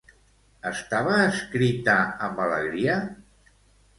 Estava escrita amb alegria?